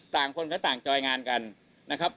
คนก็ต่างจอยงานกันนะครับ